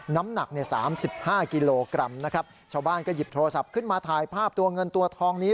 น้ำหนักเนี่ยสามสิบห้ากิโลกรัมนะครับชาวบ้านก็หยิบโทรศัพท์ขึ้นมาถ่ายภาพตัวเงินตัวทองนี้